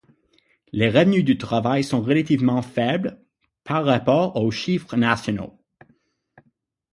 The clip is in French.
Les revenus du travail sont relativement faibles par rapport aux chiffres nationaux.